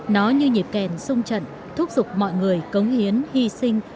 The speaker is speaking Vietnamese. nó như nhịp kèn sung trận thúc giục mọi người cống hiến hy sinh